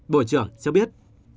bộ trưởng cho biết